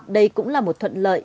đây cũng là một thuận lợi